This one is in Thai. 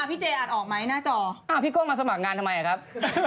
พี่เจอ่านออกไหมหน้าจอพี่โก้มาสมัครงานทำไมครับ